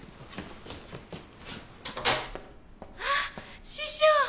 あっ師匠！